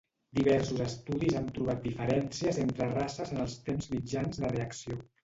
Diversos estudis han trobat diferències entre races en els temps mitjans de reacció.